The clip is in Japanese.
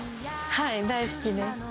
はい、大好きです。